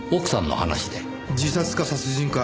自殺か殺人か。